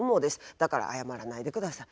だから謝らないで下さい。